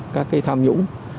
các cái tham nhũng